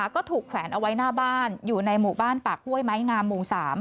ก็ถูกแขวนเอาไว้หน้าบ้านอยู่ในหมู่บ้านปากห้วยไม้งามหมู่๓